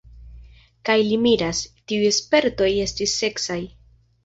Kaj li miras: tiuj spertoj estis seksaj.